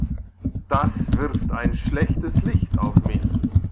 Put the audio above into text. Das wirft ein schlechtes Licht auf mich.